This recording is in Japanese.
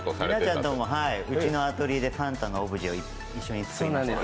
稲ちゃんとも、うちのアトリエでサンタのオブジェを一緒に作りました。